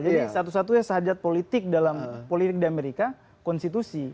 jadi satu satunya syahadat politik dalam politik di amerika konstitusi